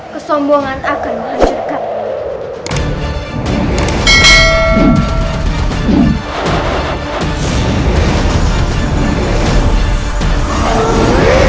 kesombongan akan menghancurkan mu